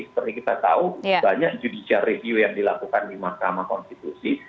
seperti kita tahu banyak judicial review yang dilakukan di mahkamah konstitusi